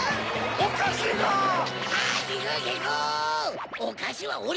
おいしい！